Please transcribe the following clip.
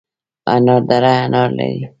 انار دره انار لري؟